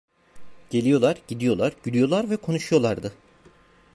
Geliyorlar, gidiyorlar, gülüyorlar ve konuşuyorlardı.